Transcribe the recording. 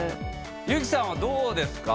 優希さんはどうですか？